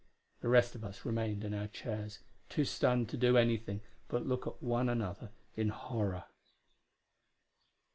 The rest of us remained in our chairs, too stunned to do anything but look at one another in horror.